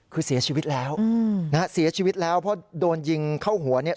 คือเสียชีวิตแล้วนะฮะเสียชีวิตแล้วเพราะโดนยิงเข้าหัวเนี่ย